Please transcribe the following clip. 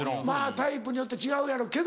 タイプによって違うやろけど。